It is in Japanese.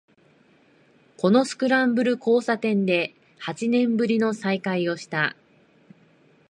このスクランブル交差点で八年ぶりの再会をした